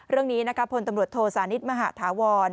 เรื่องนี้พลตำรวจโทสานิทมหาธาวร